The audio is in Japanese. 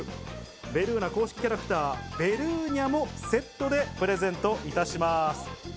ベルーナ公式キャラクター、べるーにゃもセットでプレゼントいたします。